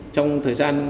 trong thời gian